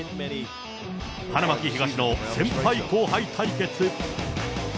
花巻東の先輩後輩対決。